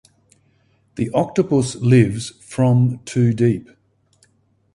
The octopus lives from to deep.